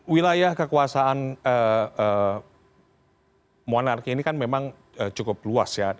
wilayah kekuasaan monarki ini kan memang cukup luas ya